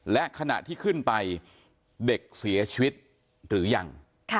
และขณะที่ขึ้นไปเด็กเสียชีวิตหรือยัง